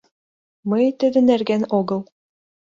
- Мый тидын нерген огыл.